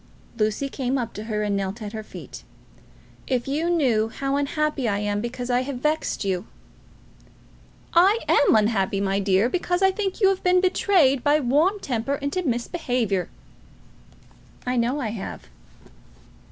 Lucy came up to her and knelt at her feet. "If you knew how unhappy I am because I have vexed you!" "I am unhappy, my dear, because I think you have been betrayed by warm temper into misbehaviour." "I know I have."